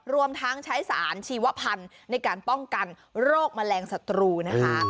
รวมทั้งใช้สารชีวพันธุ์ในการป้องกันโรคแมลงศัตรูนะคะ